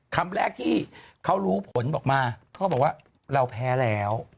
คำแรกที่เขารู้ผลออกมาเขาบอกว่าเราแพ้แล้ว